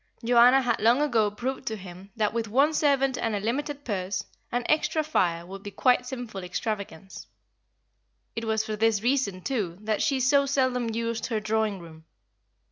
Joanna had long ago proved to him that with one servant and a limited purse, an extra fire would be quite a sinful extravagance. It was for this reason too that she so seldom used her drawing room.